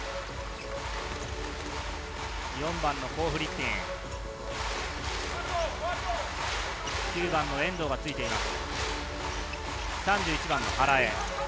４番のコー・フリッピンには９番の遠藤がついています。